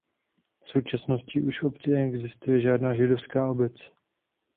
V současnosti už v obci neexistuje žádná židovská obec.